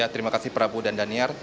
terima kasih prabu dan daniar